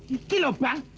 ini loh bang